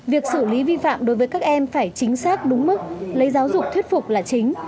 việc xử lý vi phạm đối với các em phải chính xác đúng mức lấy giáo dục thuyết phục là chính